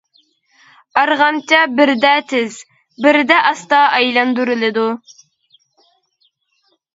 ئارغامچا بىردە تېز، بىردە ئاستا ئايلاندۇرۇلىدۇ.